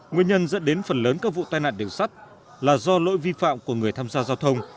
nguyên nhân dẫn đến phần lớn các vụ tai nạn đường sắt là do lỗi vi phạm của người tham gia giao thông